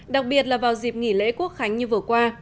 đặc biệt là vào dịp nghỉ lễ quốc khánh như vừa qua